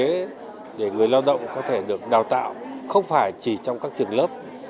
các cơ chế để người lao động có thể được đào tạo không phải chỉ trong các trường lớp